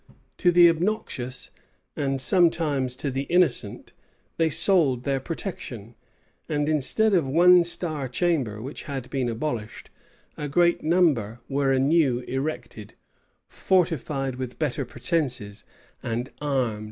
To the obnoxious, and sometimes to the innocent, they sold their protection. And instead of one star chamber, which had been abolished, a great number were anew erected, fortified with better pretences, and armed with more unlimited authority.